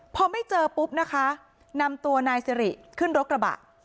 พอไม่เจอปุ๊บนะคะนำตัวนายสิริขึ้นรถกระบะ